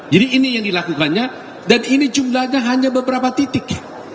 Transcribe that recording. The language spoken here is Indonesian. jadi ini yang dilakukannya dan ini jumlahnya hanya beberapa titik